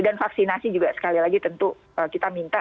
dan vaksinasi juga sekali lagi tentu kita minta